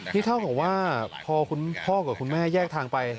นี่เท่ากับว่าพอคุณพ่อกับคุณแม่แยกทางไป